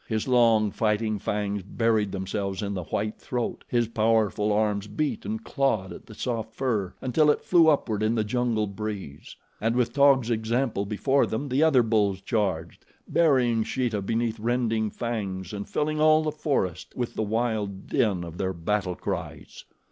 His long fighting fangs buried themselves in the white throat. His powerful arms beat and clawed at the soft fur until it flew upward in the jungle breeze. And with Taug's example before them the other bulls charged, burying Sheeta beneath rending fangs and filling all the forest with the wild din of their battle cries.